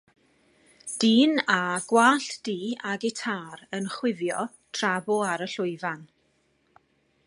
Dyn â gwallt du a gitâr yn chwifio tra bo ar y llwyfan